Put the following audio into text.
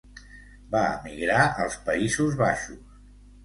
Va emigrar als Països Baixos.